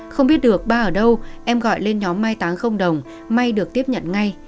không biết được ba ở đâu em gọi lên nhóm mai táng đồng may được tiếp nhận ngay